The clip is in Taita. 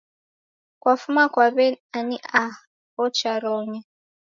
Kwafuma kwa weni ani aho cha Rong'e